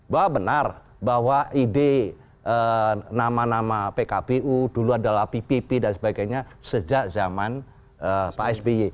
bahwa benar bahwa ide nama nama pkpu dulu adalah ppp dan sebagainya sejak zaman pak sby